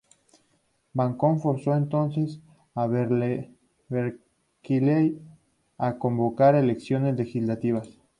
Bacon forzó entonces a Berkeley a convocar elecciones legislativas.